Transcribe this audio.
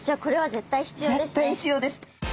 絶対必要です。